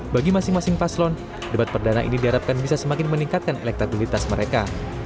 bagi masing masing paslon debat perdana ini diharapkan bisa semakin meningkatkan elektabilitas mereka